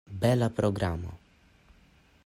Bela programo!